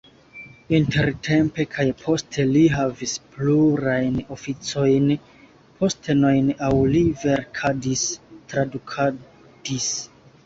Intertempe kaj poste li havis plurajn oficojn, postenojn aŭ li verkadis, tradukadis.